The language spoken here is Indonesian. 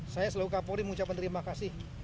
saya selalu kapolri mengucapkan terima kasih